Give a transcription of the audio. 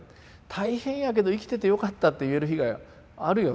大変やけど生きててよかったって言える日があるよ。